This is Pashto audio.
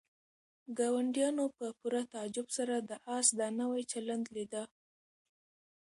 ګاونډیانو په پوره تعجب سره د آس دا نوی چلند لیده.